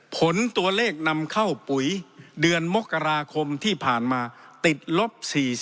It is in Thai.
ผลตัวเลขนำเข้าปุ๋ยเดือนมกราคมที่ผ่านมาติดลบ๔๐